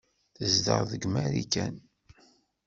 Tezdeɣ deg Marikan.